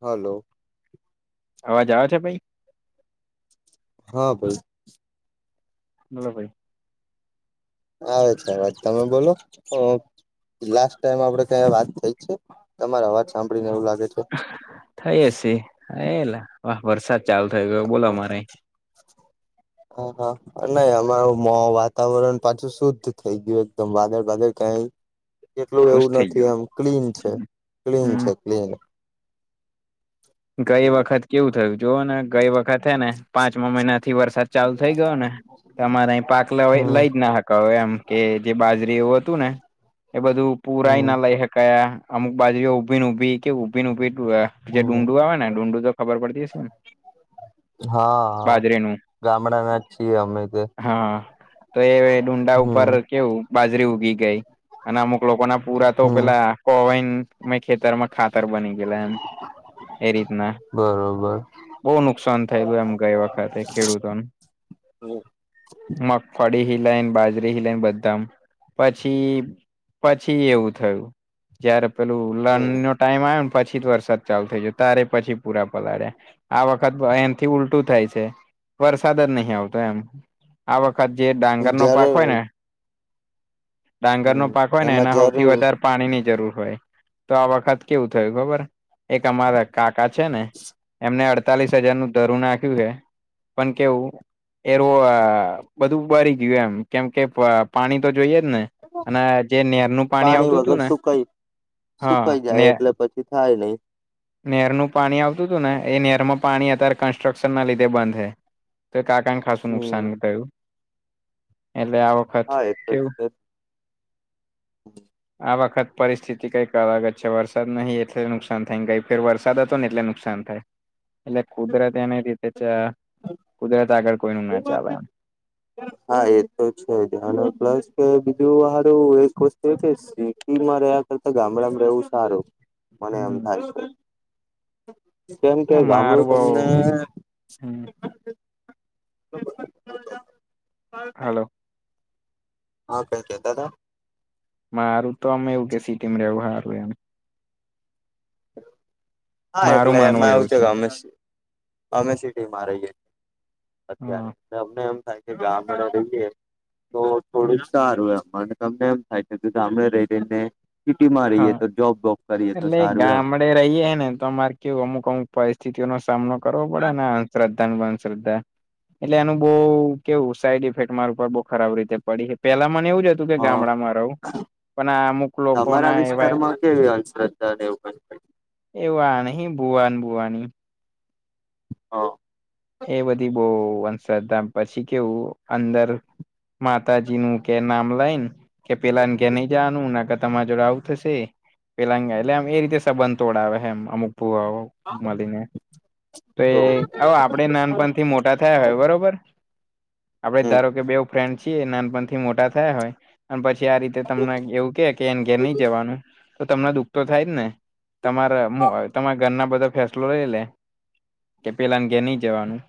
Hello. અવાજ આવે છે, ભાઈ? હા ભાઈ બોલો ભાઈ આવે છે, અવાજ તમે બોલો લાસ્ટ ટાઈમ આપડે કય વાત થઈ છે, તમારો અવાજ સાંભળી ને એવું લાગે છે. થઈ હશે હયેલા વરસાદ ચાલુ થઈ ગયો બોલો અમારે હા હા નહી અમારું મો વાતાવરણ પાછું શુદ્ધ થઈ ગયું દમ બાદળ બાદર કઈ એકલું ખુશ એવું થઈ નથી ગયો આમ ક્લીન છે, ક્લીન હમ છે, ક્લીન ગઈ હમ વખત કેવું થયું જોવો ને ગઈ વખત હે ને પાંચમા મહિનાથી વરસાદ ચાલુ થઇ ગયો ને તમારે અહી પાક લવે લઈ જ હક એમ કે જે બાજરી એવું હતું ને એ બધું પુરાયના હમ લઈ શકાયા અમુક બાજુઓ ઊભી ઊભી કે ઉભી ઉભી હમ ડુંડું આવે ને ડુંડું તો ખબર પડતી હશે ને હા હા બાજરીનું ગામડાના છીએ અમે તે હા તો એ ડુડા હમ ઉપર કેવું બાજરી ઉગી ગઈ અને અમુક લોકો ના પૂરા તો હમ પેલા કોવેન મે ખેતરમાં ખાતર બની ગેલા એમ હ એ રીતના બો નુકસાન થયેલું એમ ગઈ વખતે ખેડૂતોન મગફળી, હિલાઈન, બાજરી હિલાઈન બધા પછી પછી એવું થયું જયારે પેલું લન હમ નો ટાઈમ આયો ને પછી વરસાદ ચાલુ થઈ જ તારે પછી પૂરા પલાળ્યા આ વખત એનાથી ઉલટું થાય છે. વરસાદ જ નહીં આવતો એમ આ વખત જે ડાંગરનો પાક જરૂર હોય ને ડાંગરનો હમ પાક હોય ને એમાં એના હોથી જરૂર વધારે પાણીની જરૂર હોય તો આ વખત કેવું થયું ખબર એક અમારા કાકા છે, ને એમને અડતાલીસ હજાર નું ધરુ નાખ્યું હે પણ કેવું એરુ આ બધું બરી ગયું એમ કેમ કે પ પાણી તો જોઈએ જ ને અને જે નેરનું પાણી આવતુંતું વગર ને સુકાઈ હા ને તે થાય લે નેરનું પાણી આવતું તું ને એ નેરમાં પાણી અત્યારે કન્સ્ટ્રક્શનના લીધે બંધ હે તો કાકાને ખાસું હમ નુકસાન થયું એટલે આ વખત હા એ ત કેવું છે, જ હ આ વખત પરિસ્થિતિ કઈક અલગ જ છે, વરસાદ નહીં એટલે નુકસાન થગંય ફેર વરસાદ હતો ને એટલે નુકસાન થાય એટલે કુદરત એને રી તે ચા કુદરત આગળ કોઈનું ના એવું ચાલે એમ [inaudible] હા એ તો છે જ અને પ્લસ બીજું હારું એક વસ્તુ એ કે સિટીમાં રે તો તો ગામડામાં રેવું સારું મને એમ હમ થાય છે. કેમ કે ના ગામડું મારું બઉ તમને હમ હલો [inaudible] હા કંઈ કેતા તા? મારું તો ઓમ એવું કે સિટીમાં રેવું હારું એમ હા મારું એટલે માનવું એમાં એવું થયું છે કે અમે સી અમે સિટીમાં રહીએ અત્યારે હા ને અમને એમ થાય કે ગામડે રહીએ તો થોડું સારું એમ મને તમને એમ થાય કે ગામડે રહી રહી ને. સિટીમાં રહીએ તો જોબ બોબ કરીએ તો સારું એમ. ને રહીએ ને તો અમારે કેવું અમુક અમુક પરિસ્થિતિઓનો સામનો કરવો પડે ને અંધશ્રદ્ધ તન બન શ્રદ્ધા એટલે એનું બહુ કેવું સાઈડ ઇફેક્ટ માર ઉપર બહુ ખરાબ રીતે પડી હે પેલા મને એવું જ હત તું કે હા ગામડામાં રહું પણ આ અમુક લોક તમારા વિસ્તારમાં કેવી અંધશ્રદ્ધા ને એવું કાંઈ? એવા નહીં બુઆ ન બુવાની હોવ એ બધી બહુ અંધશ્રદ્ધા પછી કેવું અંદર માતાજીનું કે નામ લઈ ન કે પેલા ને કે નઈ જ જાવાનું [inaudible] તમાર જોડે આવું થશે પેલા ને એટલે આમ એ રીતે સબંધ તોડાવે હે એમ અમુક ભુવાઓ. મલીને તે તો હવે આપ આપણે નાનપણથી મોટા થયા હોય બરોબર આપડે હમ ધારો કે બેઉ ફ્રેન્ડ છીએ નાનપણથી મોટા થયા હોય અને પછી આ રીતે તમને એવું કે કે એન ઘેર નહી જવાનું. તો તમને દુખ તો થાય જ ને તમારા તમારા ઘરના બધા ફેસલો લઈ લે. કે પેલાને ઘેર નઈ જવાનું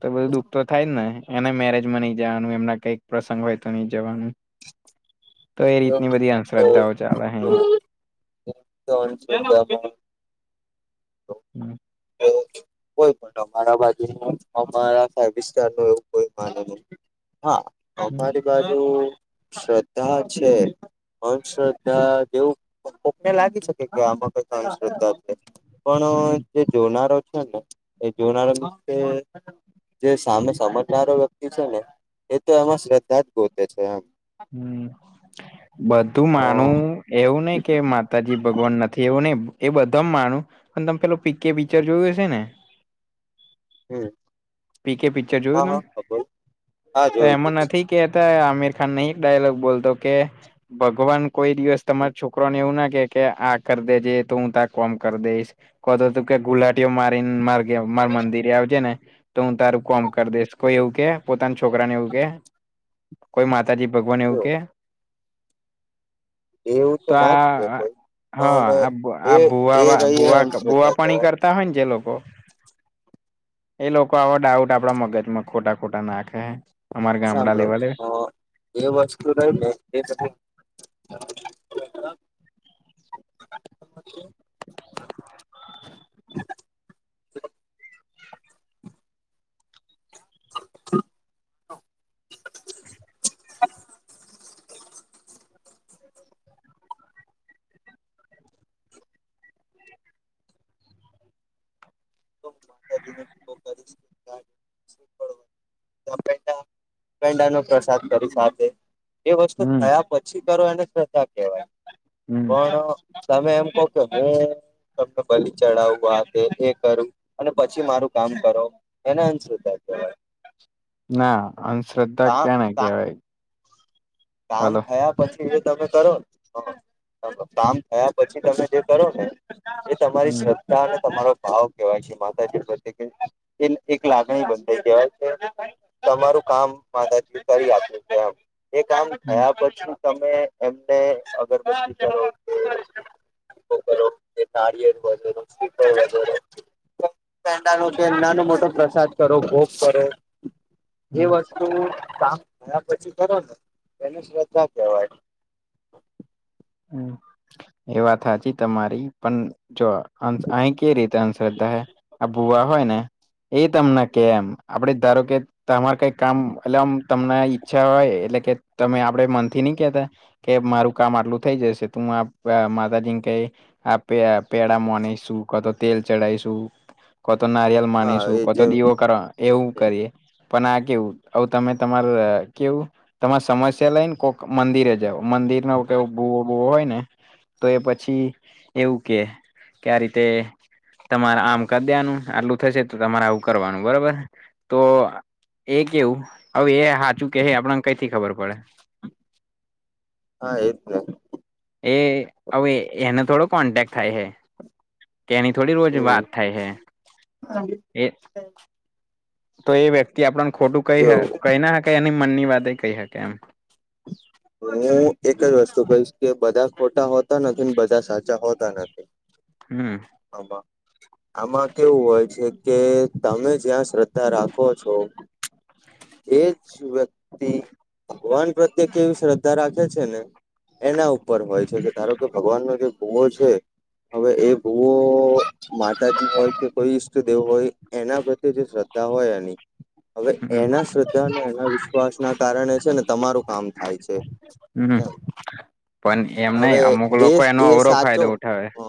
તો બધું દુઃખ તો થાય જ ને અને મેરેજમાં નઈ જાવાનું, એમના કાંઈક પ્રસંગ હોય તો નઈ જવાનું. તો એ રીતની બધી અંધશ્રદ્ધાઓ ચાલે અહીં તો અંધશ્રદ્ધામાં [inaudible] હમ તો કોઈ પણ અમારા બાજુનું અમારા ફાઈવ સ્ટારનું એવું કોઈ માને નહીં. હા અમારી બાજુ શ્રદ્ધા છે. અંધશ્રદ્ધા જેવું પન કોકને લાગી શકે કે આમાં કંઈક અંધશ્રદ્ધા હે પણ જે જોનારો છે ને એ જોનારા વખતે જે સામે સમજનારો વ્યક્તિ છે ને એ તો એમાં શ્રદ્ધા જ ગોતે છે એમ. હમ બધું માનું એવું નહિ કે મા માતાજી ભગવાન નથી એવું નહીં એ બધામાં માનું પણ તમે પેલું પીકે પિચર જોયું હશે ને? હમ [inaudible] પીકે પિચર હા જોયું હા તમ? ખબર હા તો એમાં જોયું નથી કેતા આમિરખાન નહીં ડાયલોગ બોલતો કે ભગવાન કોઈ દિવસ જોયું. તમારા છોકરોને એવું ના કે કે આ કર દેજે તો હું તાર કોમ કર દઈશ. કો તો તો કે ગુલાટીઓ મારીને માર ઘેર માર મંદિરે આવજે ને. તો હું તારું કોમ કર દઈશ કોઈ એવું કે પોતાના છોકરાને એવું કે? કોઈ માતાજી ભગવાન એવું જો કે? એવું તો ના જ કે કોઈ હહ અને આ બા એ એ ભુવાવા રહી એ ભુવા ભુવા અંધશ્રદ્ધા પાણી કહેવાય કરતા હોય ને જે લોકો એ લોકો આવા ડાઉટ આપડા મગજમાં ખોટા ખોટા નાખે અમારે ગામડા લેવલે. સાંભળો અ એ વસ્તું રહી ને એ બધું [inaudible] [inaudible] [inaudible] ત પેંડા પેંડા નો પ્રસાદ કરી સાથે એ વસ્તુ હમ થયા પછી કરો એને શ્રદ્ધા કેવાય હમ પણ તમે એમ કોવ કે હું તબત બલી ચડાવું આ તે એ કરું અને પછી મારું કામ કરો એને અનશ્રદ્ધા ના અનશ્ર્ધા કા ક્યાને કેવાય કામ થયા પ પછી જે તમે કરોને કામ થયા પછી તમે જે કરો ને એ તમારી હમ શ્રદ્ધા અને તમારો ભાવ કેવાય છે માતાજી પ્રત્યેકે એન એક લાગણી બાતાઈ કેવાય કે તમારું કામ માતાજી કરી આપે છે એમ એ કામ હમ થયા પછી તમે એમને અગરબત્તી કરો કે કરો તાળિયેર હોય તો તમે સ્ટીકર વધારો પેંડાનું છે એમ નાનું મોટો પ્રસાદ કરો ભોગ કરો. એ હમ વસ્તુનું કામ થયા પછી કરો ને એને શ્રદ્ધા કેવાય. હું એ વાત હાચી તમારી પન જો અંત અહી કે રીતે અંધશ્રદ્ધા હૈ આ ભુવા હોય ને એય તમને કે એમ આપડે ધારો કે ત તમારે કઈક કામ એલે આમ તમને ઈચ્છા હોય એટલે કે તમે આપડે મનથી ની કેતા કે મારું કામ આટલુંત થઈ જશે તું આપ આ માતાજીને કઈ આ પે પેડા મોને શું ક તો તેલ ચડાયીશું કો તો નારિયલ હા માનીશું એ કો તો જેમ દીવો કરવા એવું કરીએ પન આ કેવું અવ તમે તમાર કેવું તમા સમસ્યા લઈને કોક મંદિરે જાવ મંદિર નેવ કેવ બોવો બોવો હોય ને તો એ પછી એવું કે કે આ રીતે તમારે આમ કર દેનું આટલું થશે તો તમારે આવું કરવાનું બરબર તો એ કેવું અવે એ હાચું કેહે આપણાને કઈથી ખબર પડે હા એ જ ને એ અવે એને થોડો કોન્ટેક્ટ થાય હે કેની થોડી રોજ હમ વાત થાય હે એ તો એ વ્યક્તિ આપડાને ખોટું કઇ જો હ કઈના હકે એની મનની વાત એ કઇ હકે એમ. હું એક જ વસ્તુ કહીશ કે બધા ખોટા હોતા નથી ને બધા સાચા હોતા નથી. હું આબા આમાં કેવું હોય છે કે તમે જ્યાં શ્રદ્ધા રાખો છો. એજ વ્યક્તિ ભગવાન પ્રત્યે કેવી શ્રદ્ધા રાખે છે ને એના ઉપર હોય છે કે ધારો કે ભગવાનનો જે ગુવો છે. હવે એ ભુંવો માતાજી હોય કે કોઈ ઈષ્ટદેવ હોય એના પ્રત્યે જે શ્રદ્ધા હોય એની અવે હમ એના શ્રદ્ધા અને એના વિશ્વાસ ના કારણે છે ને તમારું કામ થાય છે. હું પન એમ નય હવે અમુક લોકો એનો અવરો ફાયદો ઉઠાવે હ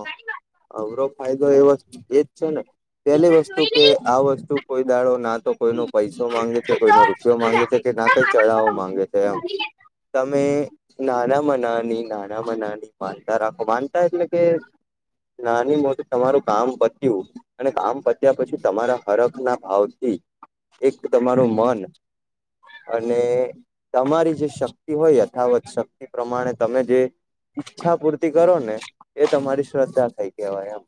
અવરો ફાયદો એવો ચ એચ છે ને પેલી વસ્તુ કે આ વસ્તુ કોઈ દાડો ના તો કોઈનો પૈસો માંગે છે કોઈનો રૂપિયો મામાંગે છે કે ના કઈ ચડાવો માંગે છે એમ તમે નાનામા નાની નાનામા નાની માનતા રાખો માનતા એટલે કે નાની મોટી તમારું કામ પત્યું અને કામ પત્યા પછી તમારા હરખ ના ભાવથી એક તમારું મન અને તમારી જે ક્ષમ તો યથાવત શક્તિ પ્રમાણે તમે જે ઈચ્છા પૂરતી કરો ને એ તમારી શ્રદ્ધા થઈ કેવાય એમ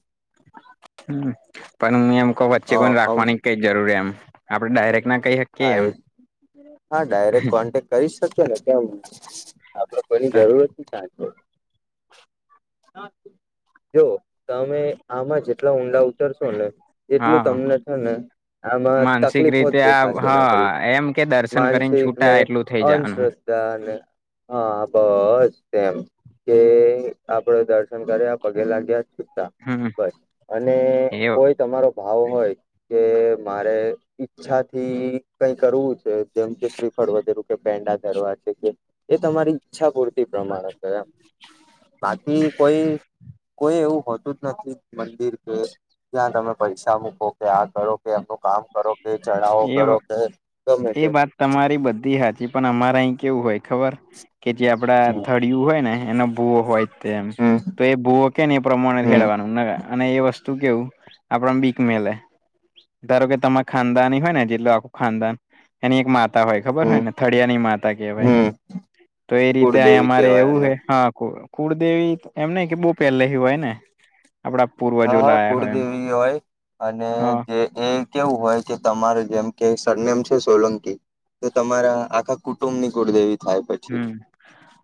પણ હું એમ કવ વચ્ચે અ કોને અમ રાખવાની કઈ જરૂરી એમ આપડે ડાયરેક્ટ ના કહી શકીએ હા એમ એ હા ડાયરેક્ટ કોન્ટેક્ટ કરી શકીએ ને કેમ આપડ કોની જરૂરત ક્યા છે. જો તમે આમાં જેટલા ઊંડા શો ને એટલું હા તમને છે ને આમાં માનસિક તકલીફ હો જ રીતે દે. આ હા નરી એમ કે દર્શન કરીને માનસિક ને છૂટા એટલું થઇ જવાનું અશ્ર્ધા અને હા બસ તેમ કે આપડે દર્શન કર્યા પગે લાગ્યા છે. તા હમ બસ અને એ કોઈ તમારો ભાવ હોય કે મારે ઈચ્છાથી કઈ કરવું છે. જેમ કે શ્રીફળ વધેરું કે પેંડા ધરવા છે કે એ તમારી ઈચ્છા પૂરતી પ્રમાણે છે એમ. બાકી કોઈ કોઈ એવું હોતું જ નથી. મંદિર કે ત્યાં તમે પૈસા મૂકો કે આ કરો કે એમનું કામ કરો કે ચઢાવો એ કરો કે ગમે તે એ વાત તમારી બધી હાચી પણ અમારે અહી કેવું હોય ખબર કે જે આપડા થર્ડ [unintelligible] ને એને ભુવો હોય તેમ હમ તો એ ભુવો કે ને એ પ્રમાણે હમ હેડવાનું અને એ વસ્તુ તો કેવું આપડા ને બીક મેલે ધારોકે તમા ખાનદાનની હોય ને જેટલું આખું ખાનદાન એની એક મા તા હોય ખબર હમ હોયને થળિયાની માતા કેવાય. હમ તો એ રીતે અયા કુળદેવી અમારે કહેવાય એવું અને હે [unintelligible] કુળદેવી એમ નય કે બો પેલે હિ હોય ને આપડા હા પૂર્વજો હા લાયા હોય એમ કુળદેવી હોય અને હ જે એ કેવું હોય કે તમારે જેમ કે સરનેમ છે સોલંકી તો તમારા આખા કુટુંબની કુળ દેવી હમ્મ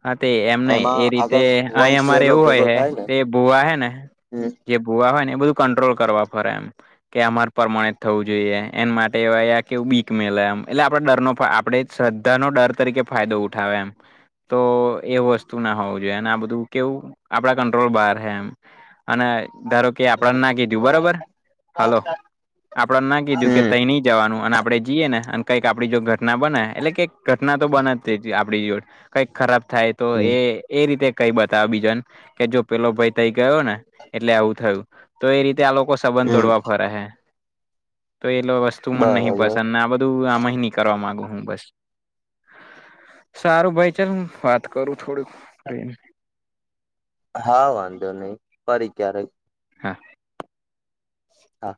હા તે એમ નય એમાં એ રીતે આગળ અહી વંશ અમારે વેલો એવું હોય ભેગો હે થાય ને જે ભૂવા હોય ને હમ જે ભૂવા હોય ને એ બધું કંટ્રોલ કરવા ફરે એમ. કે અમારે પરમાણે થવું જોઈએ એન માટે કેવું બીક મેલે એમ એટલે આપડા ડરનો આપણેે શ્રદ્ધાનો ડર તરીકે ફાયદો ઉઠાવે એમ. તો એ વસ્તુ ના હોવું જોઈએ. અને આ બધું કેવું આપડા કંટ્રોલ બહાર હે એમ. અને ધારો કે આપડને ના કીધું બરોબર. [inaudible] આપડ ના કીધું કે હમ તઈ ની જવાનું અને આપણે જીએ ને અને કંઈક આપડી જો ઘટના બને એટલે કે ઘટના તો બને જ આપડી જોડે કઈક ખરાબ થાય તો હમ એ એ રીતે કઈ બતાવે બીજોને કે જો પેલો ભાઈ તઈ ગયો ને એટલે આવું થયું. તો એ રીતે આ લોકો સબંધ તોડવા હમ ફરે હે તો એ વસ્તુ મને નહી બરાબર પસંદ ને આ બધું આમહિ નીકરવા માંગુ હું બસ. સારું ભાઈ ચલ હું વાત કરું થોડુંક રહીને હા વાંધો નહી ફરી ક્યારેક હા. હા.